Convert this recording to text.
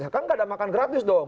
kan nggak ada makan gratis dong